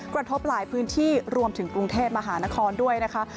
กระทบหลายพื้นที่รวมถึงกรุงเทพมหานครด้วยนะคะ